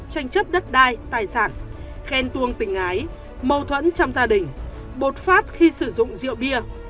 tranh chấp đất đai tài sản khen tuông tình ái mâu thuẫn trong gia đình bột phát khi sử dụng rượu bia